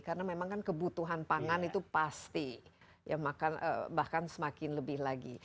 karena memang kan kebutuhan pangan itu pasti bahkan semakin lebih lagi